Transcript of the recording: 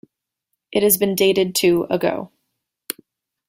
It has been dated to ago.